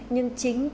nhưng chị em phụ nữ